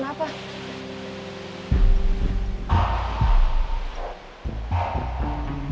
gak tau gue